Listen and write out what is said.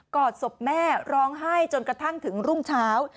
อดศพแม่ร้องไห้จนกระทั่งถึงรุ่งเช้า